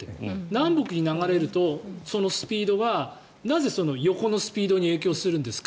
南北に流れるとそのスピードがなぜ横のスピードに影響するんですか？